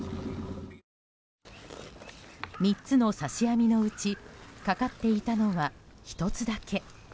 ３つの刺し網のうちかかっていたのは１つだけ。